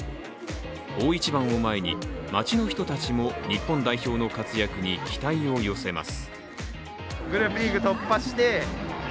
大一番を前に街の人たちも日本代表の活躍に期待を寄せます。